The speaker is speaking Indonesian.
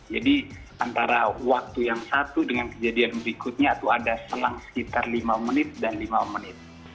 jadi antara waktu yang satu dengan kejadian berikutnya itu ada selang sekitar lima menit dan lima menit